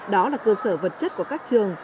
đó là cơ sở vật chất của các trường